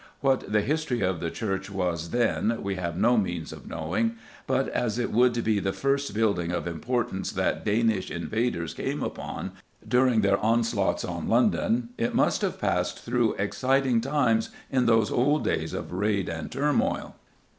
What the history of the church was then we have no means of knowing, but as it would be the first building of importance that Danish invaders came upon during their onslaughts on London, it must have passed through exciting times in those old days of raid and turmoil.